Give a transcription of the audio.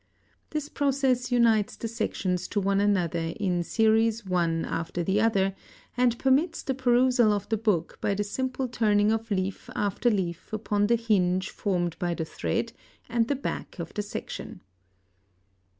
This process unites the sections to one another in series one after the other, and permits the perusal of the book by the simple turning of leaf after leaf upon the hinge formed by the thread and the back of the section.